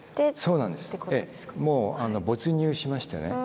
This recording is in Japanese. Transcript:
もう没入しましてね